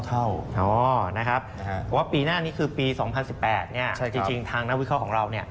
เพราะว่าปีหน้านี้คือปี๒๐๑๘จริงทางนักวิเคราะห์ของเรา